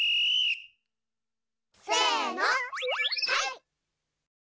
せのはい！